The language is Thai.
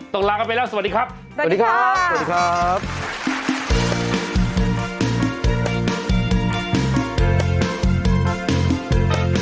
ต้องลากันไปแล้วสวัสดีครับ